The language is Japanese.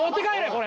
これ。